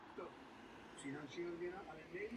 Působil jako dirigent Karlovarského symfonického orchestru.